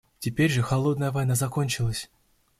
Теперь же «холодная война» закончилась.